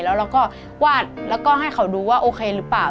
แล้วเราก็วาดแล้วก็ให้เขาดูว่าโอเคหรือเปล่า